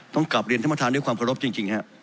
ต้องกลับเรียนท่านประธานด้วยความขอบคุณครับ